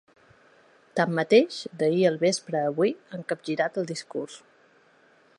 Tanmateix, d’ahir al vespre a avui han capgirat el discurs.